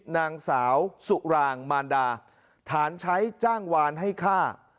นางสาวสุรางมารดาฐานใช้จ้างวานให้ฆ่า